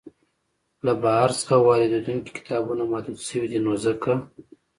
له بهر څخه واریدیدونکي کتابونه محدود شوي دی نو ځکه.